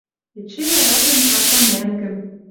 Эче яратем капка мӓнгӹм